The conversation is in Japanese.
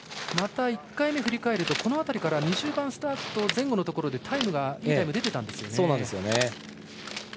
また１回目振り返るとこの辺りから２０番スタートぐらいでいいタイム出てたんですよね。